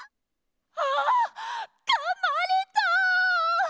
ああっかまれた！